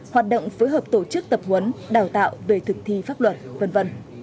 hoạt động phối hợp tổ chức tập huấn đào tạo về thực thi pháp luật v v